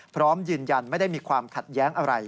พร้อมยืนยันไม่ได้มีความขัดแย้งอะไร